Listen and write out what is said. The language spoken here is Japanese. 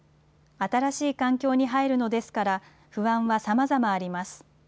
新しい環境に入るのですから、不安はさまざまあります。